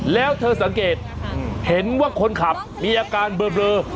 แล้วเธอสังเกตเห็นว่าคนขับมีอาการเบลอ